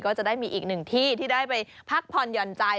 ก็จะได้มีอีกหนึ่งที่ที่ได้ไปพักผ่อนหย่อนใจ